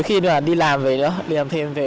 buổi tối khi đi làm về nữa đi làm thêm về